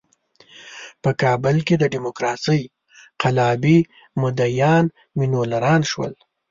په کابل کې د ډیموکراسۍ قلابي مدعیان میلیونران شول.